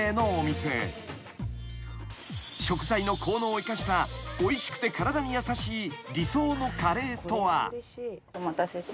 ［食材の効能を生かしたおいしくて体に優しい理想のカレーとは］お待たせしました。